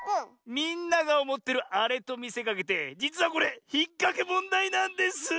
みんながおもってるあれとみせかけてじつはこれひっかけもんだいなんです。